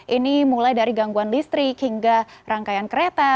ini mulai dari gangguan listrik hingga rangkaian kereta